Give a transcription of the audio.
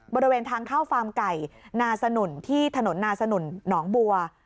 บริเวณทางเข้าฟาร์มไก่นาสนุนที่ถนนนาสนุนหนองบัว